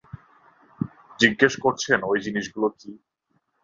জিজ্ঞেস করছেন ওই জিনিসগুলো কী?